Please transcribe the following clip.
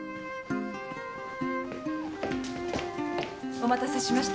お待たせしました。